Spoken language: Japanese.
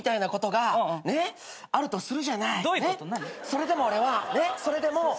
それでも俺はそれでも。